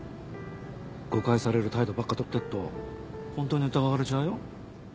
誤解される態度ばっかとってっと本当に疑われちゃうよ。